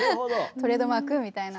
トレードマークみたいな。